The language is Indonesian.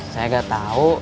saya tidak tahu